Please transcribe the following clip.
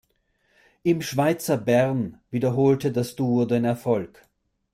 Im Schweizer Bern wiederholte das Duo den Erfolg.